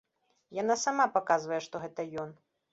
Яна сама паказвае, што гэта ён.